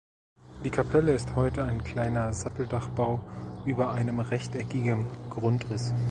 Die Kapelle ist heute ein kleiner Satteldachbau über einem rechteckigem Grundriss.